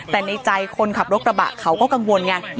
แต่ในใจคนขับรถกระบะเขาก็กังวลไง